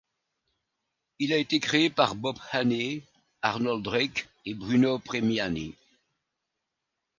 Il a été créé par Bob Haney, Arnold Drake et Bruno Premiani.